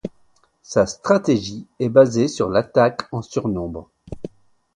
Sa stratégie est basée sur l'attaque en surnombre.